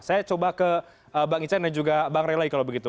saya coba ke bang ican dan juga bang rey lagi kalau begitu